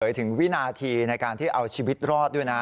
ถึงวินาทีในการที่เอาชีวิตรอดด้วยนะ